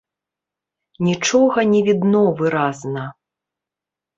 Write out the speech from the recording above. Нічога не відно выразна.